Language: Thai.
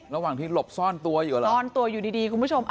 ระหว่างที่หลบซ่อนตัวอยู่เหรอซ่อนตัวอยู่ดีคุณผู้ชม